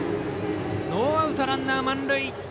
ノーアウト、ランナー、満塁。